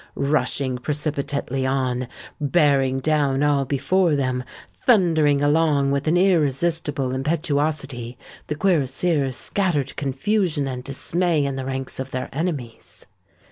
Rushing precipitately on—bearing down all before them—thundering along with an irresistible impetuosity, the cuirassiers scattered confusion and dismay in the ranks of their enemies.